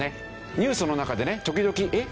ニュースの中でね時々「えっ？